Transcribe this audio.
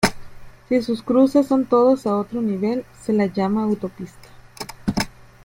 Si sus cruces son todos a otro nivel, se la llama autopista.